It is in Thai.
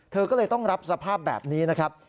เธอก็เลยต้องรับสภาพแบบนี้นะครับ